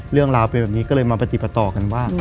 เรื่องราวเป็นแบบนี้ก็เลยมาปฏิปต่อกันว่า